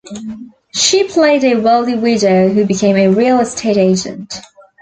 She played a wealthy widow who became a real estate agent.